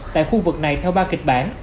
tại khu vực này theo ba kịch bản